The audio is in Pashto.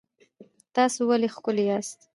تاسو ولې ښکلي یاست؟